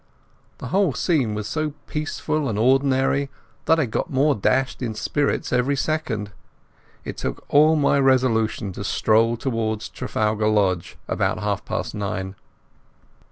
The whole scene was so peaceful and ordinary that I got more dashed in spirits every second. It took all my resolution to stroll towards Trafalgar Lodge about half past nine.